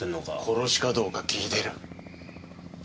殺しかどうか聞いてる。